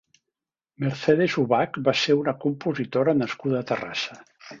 Mercedes Ubach va ser una compositora nascuda a Terrassa.